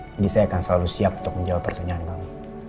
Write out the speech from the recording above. jadi saya akan selalu siap untuk menjawab pertanyaan kamu